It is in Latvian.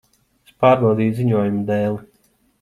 Es pārbaudīju ziņojumu dēli.